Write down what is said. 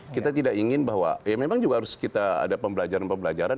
kita tidak ingin bahwa ya memang juga harus kita ada pembelajaran pembelajaran